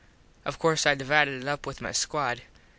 Of course I divided it up with my squad.